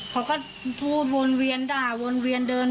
เขาก็พูดวนเวียนด่าวนเวียนเดิน